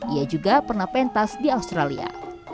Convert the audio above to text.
ia juga pernah pentas di australia